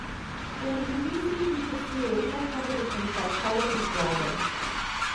In the Uffizi he could see original compositions by Carlo Gesualdo.